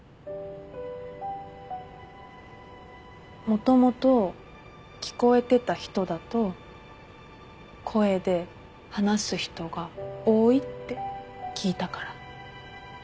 もともと聞こえてた人だと声で話す人が多いって聞いたから。